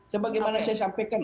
sebagai mana saya sampaikan